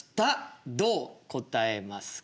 どう答えますか？という。